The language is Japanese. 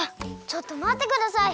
ちょっとまってください！